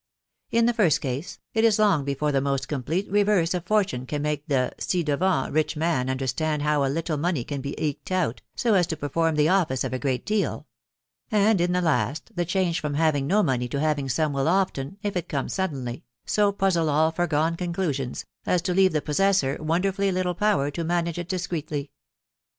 In the first case, it is long before the most complete reverse of fortune can make the ci devant rich man understand how a little money can be eked out, so as to perform the office of a great deal ; and in the last, the change from having no money to having some will often, if it come suddenly, so puzzle all foregone conclusions, as to leave the possessor wonderfully little power to manage it discreetly.